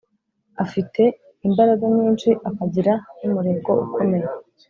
Afite imbaraga nyinshi akagira n’umurego ukomeye,